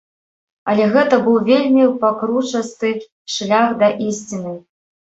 Але гэта быў вельмі пакручасты шлях да ісціны.